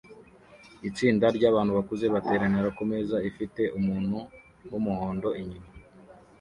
Itsinda ryabantu bakuze bateranira kumeza ifite umuntu wumuhondo inyuma